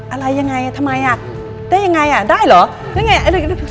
อะไรยังไงทำไมได้ยังไงได้เหรอ